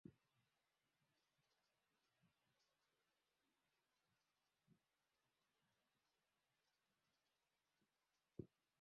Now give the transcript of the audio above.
vinaweza kuathiri mimea na uoto wa asili